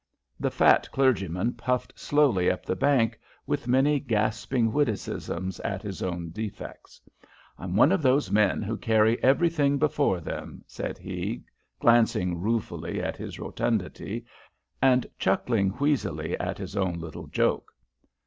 The fat clergyman puffed slowly up the bank, with many gasping witticisms at his own defects. "I'm one of those men who carry everything before them," said he, glancing ruefully at his rotundity, and chuckling wheezily at his own little joke.